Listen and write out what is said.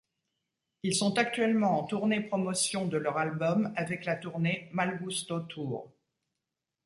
Ils sont actuellement en tournée promotion de leur album avec la tournée Malgusto Tour.